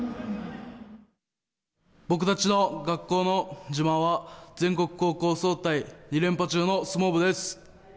僕たちの学校の自慢は全国高校総体２連覇中の相撲部です。